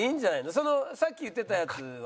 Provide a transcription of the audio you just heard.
そのさっき言ってたやつは？